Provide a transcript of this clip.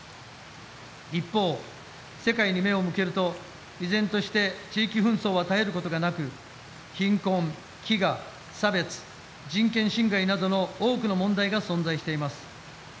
一方、世界に目を向けると依然として地域紛争は絶えることがなく貧困、飢餓、差別人権侵害などの多くの問題が存在しています。